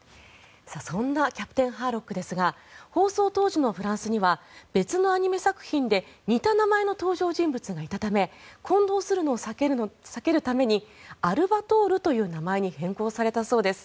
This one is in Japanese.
そんな「キャプテンハーロック」ですが放送当時のフランスには別のアニメ作品で似た名前の登場人物がいたため混同するのを避けるためにアルバトールという名前に変更されたそうです。